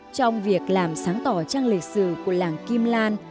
trong việc làm sáng tỏ trang lịch sử của làng kim lan